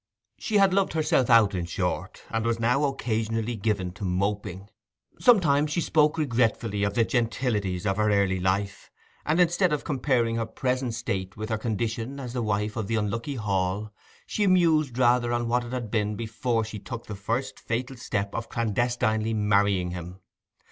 She had loved herself out, in short, and was now occasionally given to moping. Sometimes she spoke regretfully of the gentilities of her early life, and instead of comparing her present state with her condition as the wife of the unlucky Hall, she mused rather on what it had been before she took the first fatal step of clandestinely marrying him.